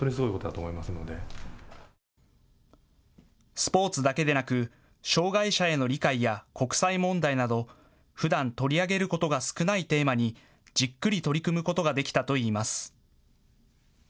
スポーツだけでなく障害者への理解や国際問題などふだん取り上げることが少ないテーマにじっくり取り組むことができたといいます。